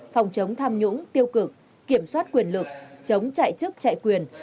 phòng chống tham nhũng tiêu cực kiểm soát quyền lực chống chạy chức chạy quyền